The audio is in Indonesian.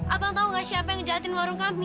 abang tahu nggak siapa yang ngejahatin warung kami